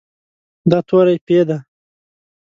دا توری "پ" دی.